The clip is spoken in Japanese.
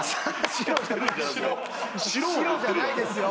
白じゃないですよ。